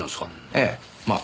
ええまあ。